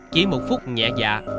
chỉ một phút nhẹ dạ